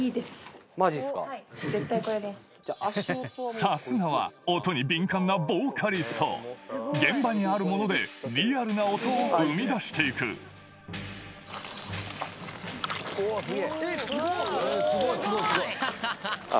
さすがは音に敏感なボーカリスト現場にあるものでリアルな音を生み出して行く・あっ